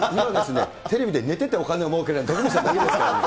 テレビで寝ててお金をもうけるのは徳光さんだけですからね。